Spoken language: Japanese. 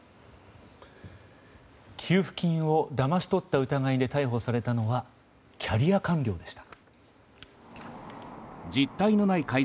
給付金をだまし取った疑いで逮捕されたのはキャリア官僚でした。